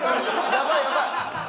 やばいやばい！